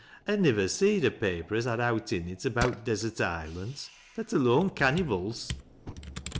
I nivver seed a paper as had owt in it about desert islands, let alone cannybles."